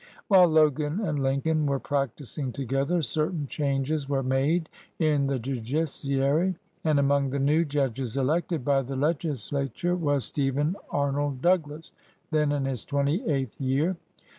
While Logan and Lincoln were practising together certain changes were made in the judi ciary, and among the new judges elected by the legislature was Stephen Arnold Douglas, then in his twenty eighth year.